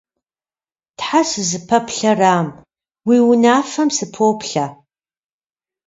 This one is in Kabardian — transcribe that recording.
Тхьэ, сызыпэплъэрам, уи унафэм сыпоплъэ.